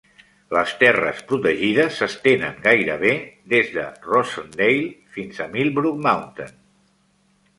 Les terres protegides s'estenen gairebé des de Rosendale fins a Millbrook Mountain.